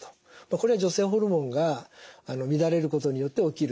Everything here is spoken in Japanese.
これは女性ホルモンが乱れることによって起きるといわれています。